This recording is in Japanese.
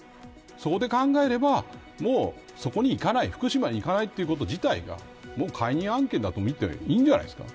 そこで考えればもう、そこに行かない福島に行かないこと自体がもう解任案件だと見ていいんじゃないですか。